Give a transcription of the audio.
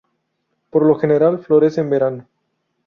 Por lo general florece en verano.